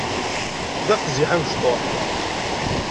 D aqziḥ amecṭuḥ.